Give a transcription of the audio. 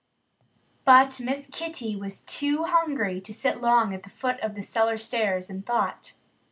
But Miss Kitty was too hungry to sit long at the foot of the cellar stairs in thought.